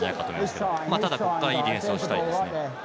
ただ、ここからいいディフェンスをしたいですね。